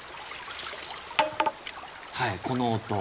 はいこの音。